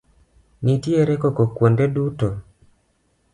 Nitiere koko kuonde duto.